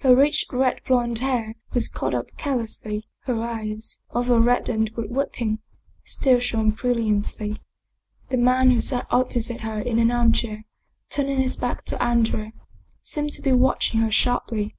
Her rich red blond hair was caught up carelessly, her eyes, although reddened with weeping, still shone brilliantly. The man who sat opposite her in an armchair, turning his back to Andrea, seemed to be watching her sharply.